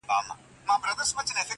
هغه راغی لکه خضر ځلېدلی٫